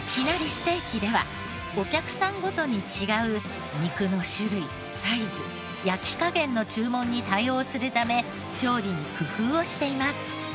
ステーキではお客さんごとに違う肉の種類サイズ焼き加減の注文に対応するため調理に工夫をしています。